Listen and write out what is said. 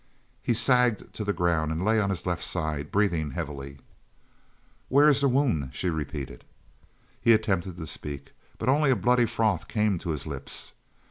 He sagged to the ground and lay on his left side, breathing heavily. "Where is the wound?" she repeated. He attempted to speak, but only a bloody froth came to his lips.